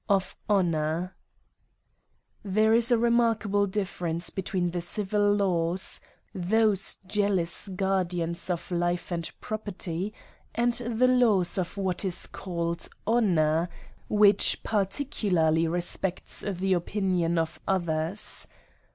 Of Honour* THERE is a remarkable difference between the civil laws, those jealous guardians of lile and pro perty, and the laws of what is called honour, which particularly respects the opinion of others.